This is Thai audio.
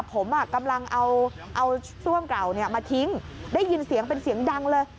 ผมกำลังเอาซ่วมเก่ามาทิ้งได้ยินเสียงเป็นเสียงดังเลย